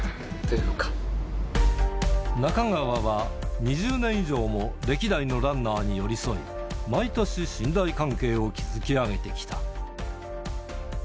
中川は、２０年以上も歴代のランナーに寄り添い、毎年、信頼関係を築き上げてきた。